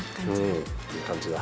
いい感じで。